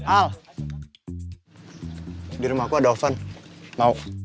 al di rumahku ada oven mau